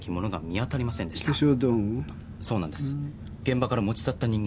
現場から持ち去った人間がいます。